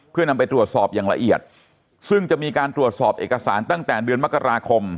เพื่อนำไปตรวจสอบอย่างละเอียดซึ่งจะมีการตรวจสอบเอกสารตั้งแต่เดือนมกราคม